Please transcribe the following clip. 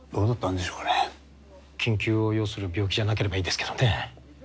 緊急を要する病気じゃなければいいですけどね。